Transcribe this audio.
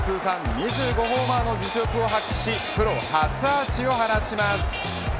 通算２５ホーマーの実力を発揮しプロ初アーチを放ちます。